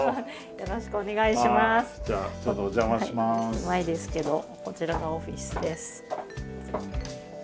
狭いですけどこちらがオフィスです。